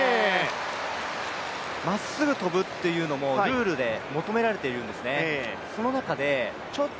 まっすぐ跳ぶというのもルールで求められてるんですね。